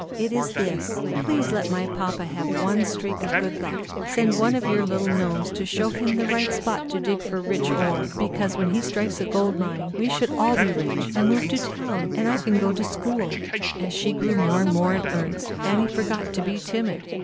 It is this: iease let my papa have one streak of \od luck. Send one of your little to show him the right spot to ZAUBERLINDA, THE WISE WITCH. 143 dig for rich ore, because when he strikes a gold mine, we shall all be rich, and move to town, and I can go to school." As she grew more and more in earnest, Annie forgot to be timid.